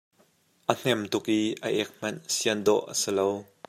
A hnem tuk i a ek hmanh sian dawh a si lo.